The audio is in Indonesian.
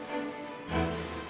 aku cuma mau beri bukti